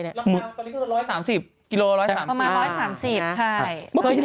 ปีนี้คือ๑๓๐กิโลประมาณ๑๓๐ใช่